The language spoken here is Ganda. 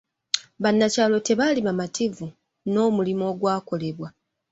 Bannakyalo tebaali bamativu n'omulimu ogwakolebwa.